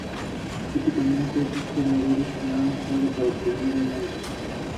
Luego, giraba en ellas mientras los bailarines seguían con su gimnasia.